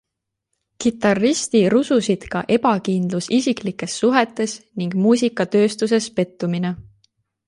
Kitarristi rususid ka ebakindlus isiklikes suhetes ning muusikatööstuses pettumine.